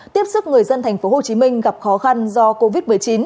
tiếp sức người dân tp hcm gặp khó khăn do covid một mươi chín